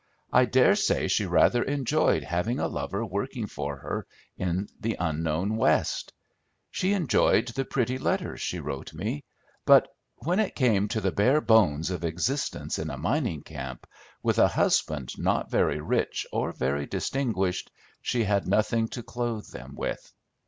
I dare say she rather enjoyed having a lover working for her in the unknown West; she enjoyed the pretty letters she wrote me; but when it came to the bare bones of existence in a mining camp, with a husband not very rich or very distinguished, she had nothing to clothe them with.